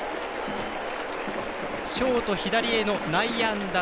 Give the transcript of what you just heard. ショート左への内野安打。